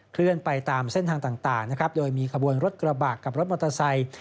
เคลื่อนไปตามเส้นทางต่างนะครับโดยมีขบวนรถกระบะกับรถมอเตอร์ไซค์